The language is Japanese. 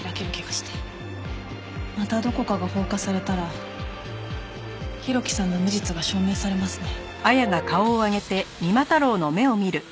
またどこかが放火されたら浩喜さんの無実が証明されますね。